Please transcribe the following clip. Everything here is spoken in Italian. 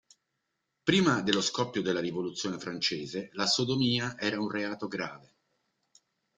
Prima dello scoppio della rivoluzione francese la sodomia era un reato grave.